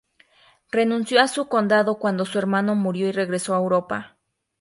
Renunció a su condado cuando su hermano murió y regresó a Europa.